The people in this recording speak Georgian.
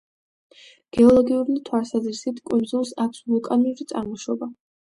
გეოლოგიური თვალსაზრისით, კუნძულს აქვს ვულკანური წარმოშობა.